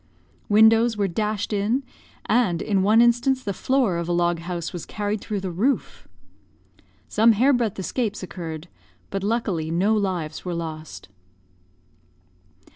Windows were dashed in; and, in one instance, the floor of a log house was carried through the roof. Some hair breadth escapes occurred; but, luckily, no lives were lost.